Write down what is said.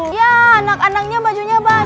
ya anak anaknya bajunya basah